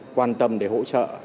quan tâm để hỗ trợ